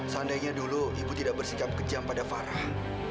seandainya dulu ibu tidak bersikap kejam pada farah